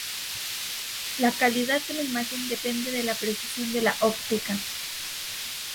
La calidad de la imagen depende de la precisión de la óptica.